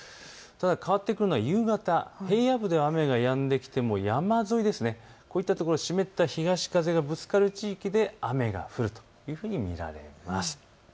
ただ変わってくるのは夕方、平野部で雨がやんできても山沿い、こういったところ湿った東風がぶつかる地域で雨が降るというふうに見られます。